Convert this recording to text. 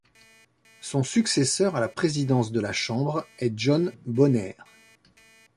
Son successeur à la présidence de la Chambre est John Boehner.